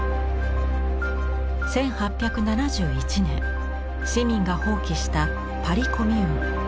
１８７１年市民が蜂起したパリ・コミューン。